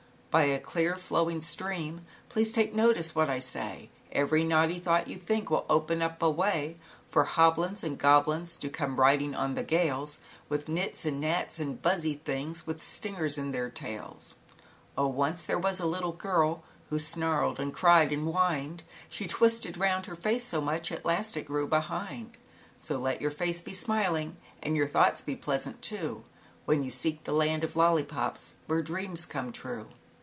i a y a clear Mowing stream Please take notice what I say: very naughty thought you think Will open up a way, ZAUBERLINDA, THE WISE WITCH. 91 For the hoblins and goblins To come riding on the gales, With nits and gnats and buzzy things With stingers in their tails. Oh, once there was a little girl Who snarled and cried and whined, She twisted round her face so much, At t last it grew behind, So let your face be smiling And your thoughts be pleasant too, When you seek the land of Lollipops, Where dreams come true."